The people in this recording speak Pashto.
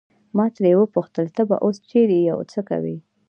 ما ترې وپوښتل ته به اوس چیرې یې او څه کوې.